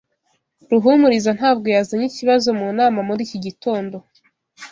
Ruhumuriza ntabwo yazanye ikibazo mu nama muri iki gitondo.